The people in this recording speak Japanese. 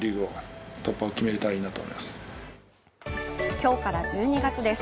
今日から１２月です。